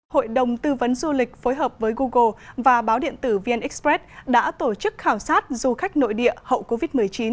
hội đồng tư vấn du lịch phối hợp với google và báo điện tử vn express đã tổ chức khảo sát du khách nội địa hậu covid một mươi chín